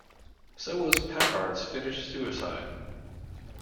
So was Packard's finish suicide.